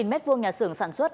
hai m hai nhà xưởng sản xuất